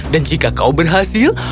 dan jika kau berhasil